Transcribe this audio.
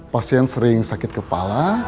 pasien sering sakit kepala